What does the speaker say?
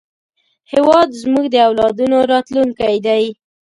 هېواد زموږ د اولادونو راتلونکی دی